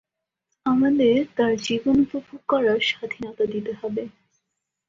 আমাদের তার জীবন উপভোগ করার স্বাধীনতা দিতে হবে।